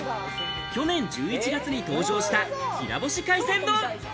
去年１１月に登場したきらぼし海鮮丼。